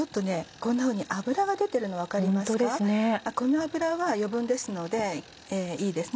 この脂は余分ですのでいいです。